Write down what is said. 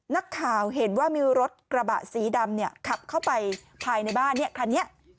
นักข่าวเห็นว่ามีรถกระบะสีดำเนี่ยขับเข้าไปภายในบ้านเนี่ยคันนี้